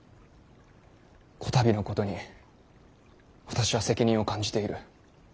こたびのことに私は責任を感じている。